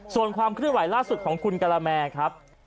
ส่วนความเคลื่อนไหวล่าสุดของคุณกะละแมครับ